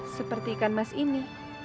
seperti ikan mas ini